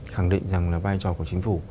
khẳng định rằng là vai trò của chính phủ